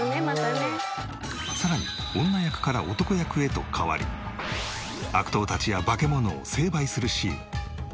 さらに女役から男役へと変わり悪党たちや化け物を成敗するシーン。